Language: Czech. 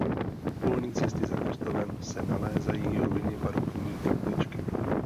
U polní cesty za kostelem se nalézají ruiny barokní kapličky.